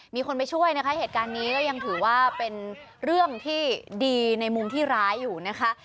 มีคนไปช่วยนะคะเหตุการณ์นี้ก็ยังถือว่าเป็นเรื่องที่ดีในมุมที่ร้ายอยู่นะคะ